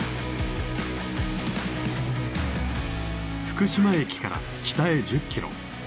福島駅から北へ１０キロ。